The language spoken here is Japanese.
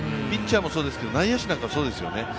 ピッチャーもそうですけど内野手なんかもそうですよね。